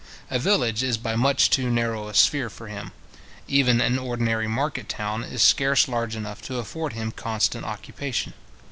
A village is by much too narrow a sphere for him; even an ordinary market town is scarce large enough to afford him constant occupation.